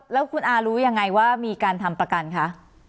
แล้วคุณอารู้ยังไงว่ามีการทำประกันคะ